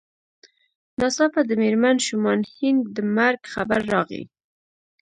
ناڅاپه د مېرمن شومان هينک د مرګ خبر راغی.